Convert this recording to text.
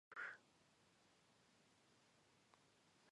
ლენონს ეკუთვნის სიმღერის ერთი ნაწილის ავტორობა.